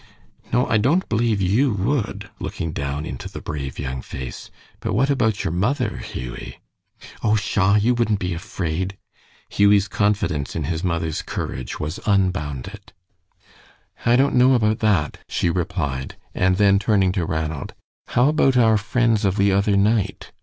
"No, I don't believe you would," looking down into the brave young face. "But what about your mother, Hughie?" "Oh, pshaw! you wouldn't be afraid." Hughie's confidence in his mother's courage was unbounded. "I don't know about that," she replied; and then turning to Ranald, "How about our friends of the other night?"